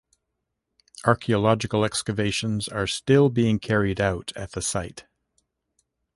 Archaeological excavations are still being carried out at the site.